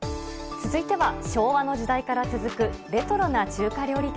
続いては昭和の時代から続くレトロな中華料理店。